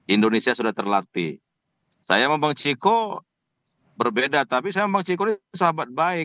indonesia sudah terlatih saya sama bang chico berbeda tapi saya memang ciko sahabat baik